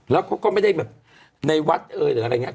แล้วก็ไม่ได้แบบในวัดแล้วอะไรอย่างเงี้ย